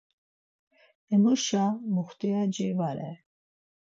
Emuşa muxtiyaci va re.